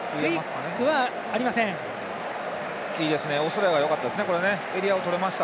オーストラリアがよかったですね。